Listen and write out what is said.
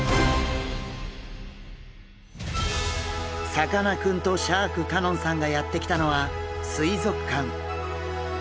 さかなクンとシャーク香音さんがやって来たのは水族館。